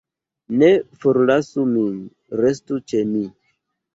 Ne forlasu min, restu ĉe mi!